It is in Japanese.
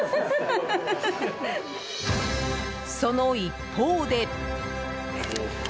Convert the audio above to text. その一方で。